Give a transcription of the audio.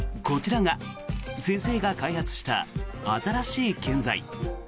こちらが先生が開発した新しい建材。